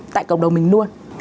tại cộng đồng mình luôn